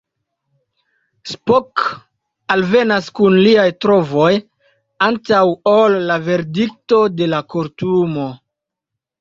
Spock alvenas kun liaj trovoj antaŭ ol la verdikto de la kortumo.